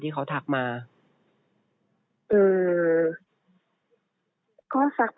ก็จากทักยาย้าแน่แน่ค่ะค่ะ